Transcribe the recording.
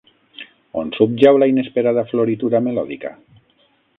On subjau la inesperada floritura melòdica?